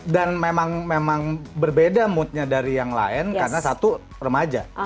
dan memang berbeda moodnya dari yang lain karena satu remaja